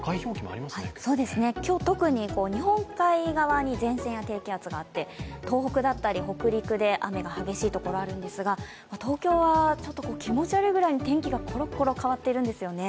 今日は特に日本海側に前線や低気圧があって東北だったり北陸で雨が激しいところあるんですが東京は気持ち悪いくらいに天気がコロコロ変わっているんですよね。